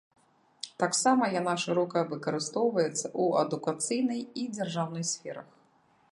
Таксама яна шырока выкарыстоўваецца ў адукацыйнай і дзяржаўнай сферах.